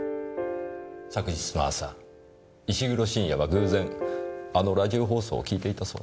昨日の朝石黒信也は偶然あのラジオ放送を聴いていたそうです。